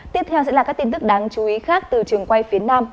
tiếp theo sẽ là các tin tức đáng chú ý khác từ trường quay phía nam